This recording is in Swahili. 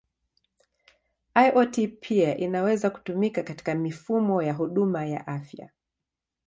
IoT pia inaweza kutumika katika mifumo ya huduma ya afya.